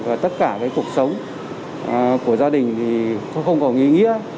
và tất cả cái cuộc sống của gia đình thì không có ý nghĩa